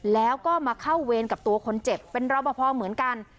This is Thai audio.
แล้วก็มาเข้าเวรกับตัวคนเจ็บเป็นรอปภเหมือนกัน